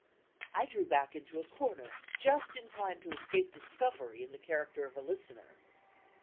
I drew back into a corner, just in time to escape discovery in the character of a listener.